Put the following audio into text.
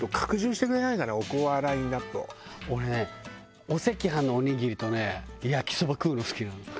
俺ねお赤飯のおにぎりとね焼きそば食うの好きなの。